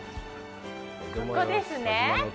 ここですね。